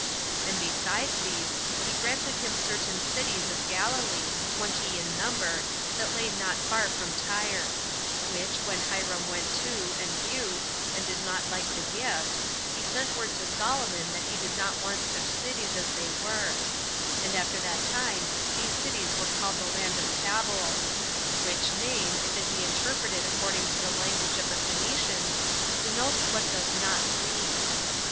And besides these, he granted him certain cities of Galilee, twenty in number, that lay not far from Tyre; which, when Hiram went to, and viewed, and did not like the gift, he sent word to Solomon that he did not want such cities as they were; and after that time these cities were called the land of Cabul; which name, if it be interpreted according to the language of the Phoenicians, denotes what does not please.